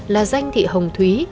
là danh thị hồng thúy